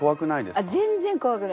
あっ全然こわくない。